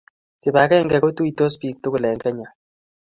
Kibakenge kotuitos pik tukul en Kenya